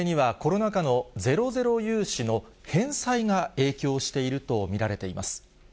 背景には、コロナ禍のゼロゼロ融資の返済が影響していると見られています。